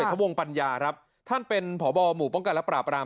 ทวงปัญญาครับท่านเป็นพบหมู่ป้องกันและปราบราม